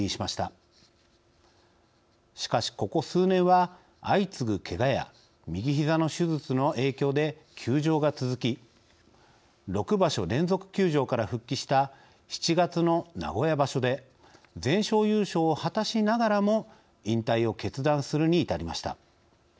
しかしここ数年は相次ぐけがや右ひざの手術の影響で休場が続き６場所連続休場から復帰した７月の名古屋場所で全勝優勝を果たしながらも引退を決断するに至りました。